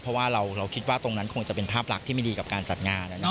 เพราะว่าเราคิดว่าตรงนั้นคงจะเป็นภาพลักษณ์ที่ไม่ดีกับการจัดงาน